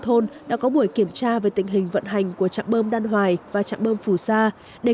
thôn đã có buổi kiểm tra về tình hình vận hành của trạm bơm đan hoài và chạm bơm phù sa để